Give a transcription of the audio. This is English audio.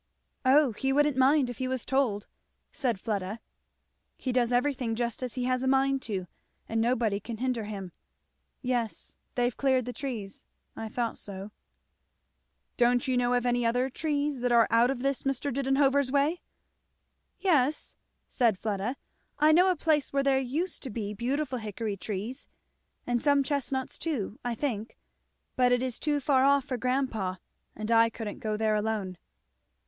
"O he wouldn't mind if he was told," said Fleda. "He does everything just as he has a mind to, and nobody can hinder him. Yes they've cleared the trees I thought so." "Don't you know of any other trees that are out of this Mr. Didenhover's way?" "Yes," said Fleda, "I know a place where there used to be beautiful hickory trees, and some chestnuts too, I think; but it is too far off for grandpa, and I couldn't go there alone.